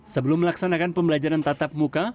sebelum melaksanakan pembelajaran tatap muka